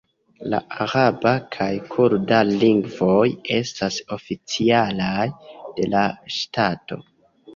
La araba kaj kurda lingvoj estas oficialaj de la ŝtato.